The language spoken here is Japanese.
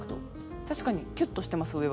確かにキュッとしてます上は。